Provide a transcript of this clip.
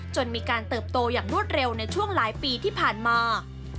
จนมีการเติบโตอย่างรวดเร็วในช่วงหลายปีที่ผ่านมา